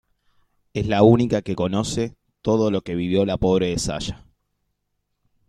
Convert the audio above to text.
Es la única que conoce todo lo que vivió la pobre de Saya.